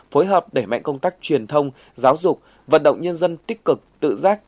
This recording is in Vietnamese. phối hợp đẩy mạnh công tác truyền thông giáo dục vận động nhân dân tích cực tự giác